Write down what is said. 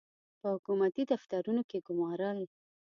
په حکومتي دفترونو کې ګومارل.